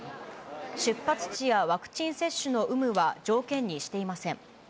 出発地やワクチン接種の有無は条件にしていません。